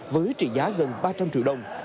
với trị giá gần ba trăm linh triệu đồng